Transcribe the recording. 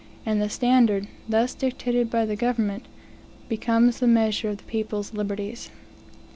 And the standard, thus dictated by the government, becomes the measure of the people's liberties.